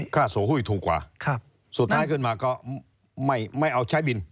ค่าโสหุ้ยถูกกว่าสุดท้ายขึ้นมาก็ไม่เอาใช้บิน